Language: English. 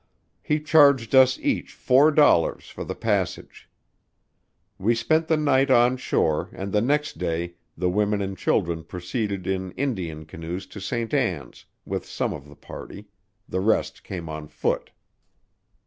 He charged us each four dollars for the passage. We spent the night on shore and the next day the women and children proceeded in Indian canoes to St. Ann's with some of the party; the rest came on foot.